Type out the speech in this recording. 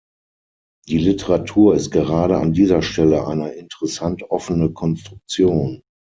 Die Literatur ist gerade an dieser Stelle eine interessant offene Konstruktion.